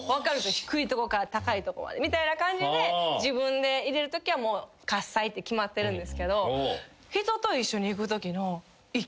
低いとこから高いとこまでみたいな感じで自分で入れるときは『喝采』って決まってるんですけど。